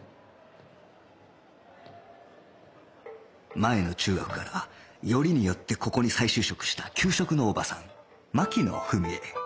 前の中学からよりによってここに再就職した給食のおばさん牧野文枝